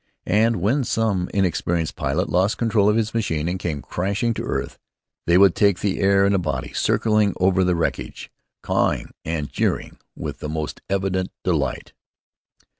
And when some inexperienced pilot lost control of his machine and came crashing to earth, they would take the air in a body, circling over the wreckage, cawing and jeering with the most evident delight.